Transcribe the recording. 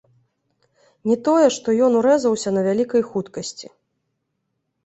Не тое што ён урэзаўся на вялікай хуткасці.